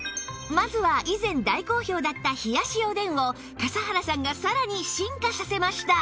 まずは以前大好評だった冷やしおでんを笠原さんがさらに進化させました